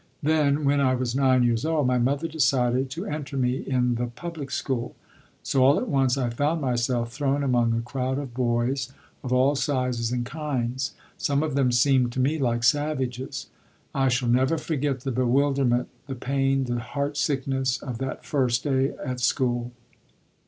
Then, when I was nine years old, my mother decided to enter me in the public school, so all at once I found myself thrown among a crowd of boys of all sizes and kinds; some of them seemed to me like savages. I shall never forget the bewilderment, the pain, the heart sickness, of that first day at school.